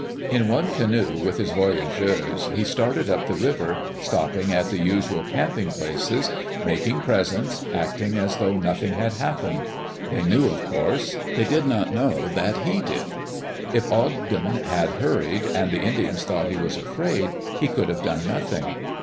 In one canoe, with his voyageurs, he started up the river, stopping at the usual camping places, making presents, acting as though nothing had happened. They knew, of course. They did not know that he did. If Ogden had hurried, and the Indians thought he was afraid, he could have done nothing.